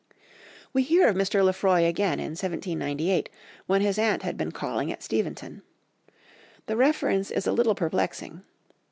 We hear of Mr. Lefroy again in 1798, when his aunt has been calling at Steventon. The reference is a little perplexing.